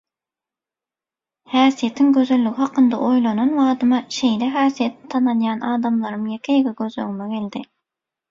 Häsiýetiň gözelligi hakynda oýlanan badyma şeýle häsiýetli tanaýan adamlarym ýeke-ýeke göz öňüme geldi.